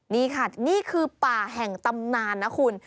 นี่ค่ะนี่คือป่าแห่งตำนานนะคุณ